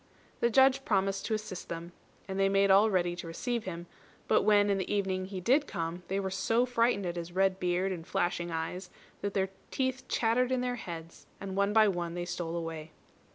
The Judge promised to assist them, and they made all ready to receive him; but when in the evening he did come, they were so frightened at his red beard and flashing eyes that their teeth chattered in their heads, and one by one they stole away.